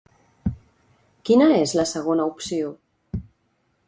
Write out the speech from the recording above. Quina és la segona opció?